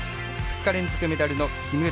２日連続メダルの木村。